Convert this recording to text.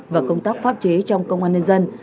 và công tác pháp chế trong công an nhân dân